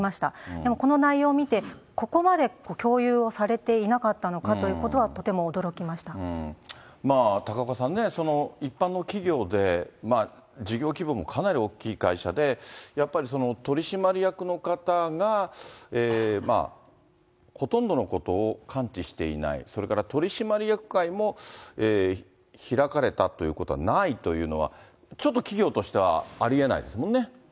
でもこの内容を見て、ここまで共有をされていなかったのかということは、とても驚きま高岡さんね、一般の企業で、事業規模もかなり大きい会社で、やっぱり取締役の方がほとんどのことを関知していない、それから取締役会も開かれたということはないというのは、ちょっと企業としてはありえないですもんね。